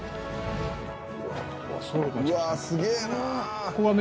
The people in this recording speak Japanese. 「うわっすげえな」